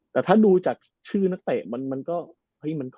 แต่ถ้าดูจากชื่อนักเตะมันก็เป็นใดนะ